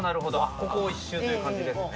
ここを一周という感じですね。